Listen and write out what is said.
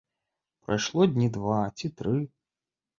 Прайшло дні два ці тры.